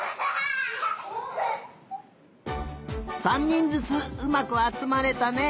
３にんずつうまくあつまれたね。